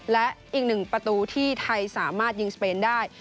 และอีกหนึ่งประตูที่ไทยสามารถยิงสเปนได้